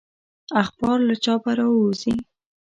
اخبار له چاپه راووزي.